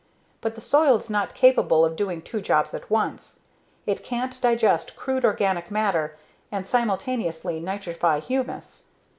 But the soil is not capable of doing two jobs at once. It can't digest crude organic matter and simultaneously nitrify humus.